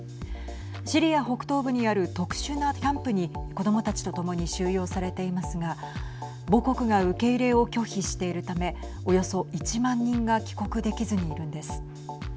シリア北東部にある特殊なキャンプに子どもたちとともに収容されていますが母国が受け入れを拒否しているためおよそ１万人が帰国できずにいるんです。